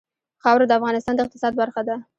خاوره د افغانستان د اقتصاد برخه ده.